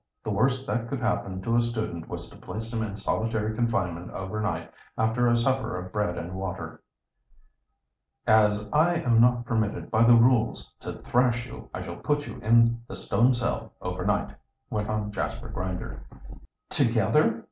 The worst that could happen to a student was to place him in solitary confinement over night, after a supper of bread and water. "As I am not permitted by the rules to thrash you, I shall put you in the stone cell over night," went on Jasper Grinder. "Together?"